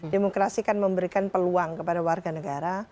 demokrasi kan memberikan peluang kepada warga negara